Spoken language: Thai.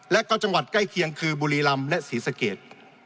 และก็จังหวัดใกล้เคียงคือบุรีรำและศรีสเกต